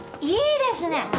いいですね。